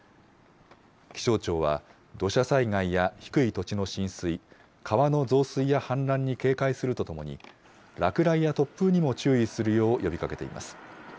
気象庁は、土砂災害や低い土地の浸水、川の増水や氾濫に警戒するとともに、落雷や突風にも注意するよう呼びかけています。